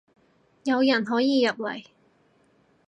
有人可以入嚟